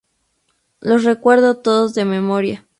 Los recuerdo todos de memoria'".